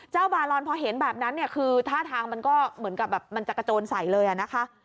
บารอนพอเห็นแบบนั้นเนี่ยคือท่าทางมันก็เหมือนกับแบบมันจะกระโจนใส่เลยนะคะ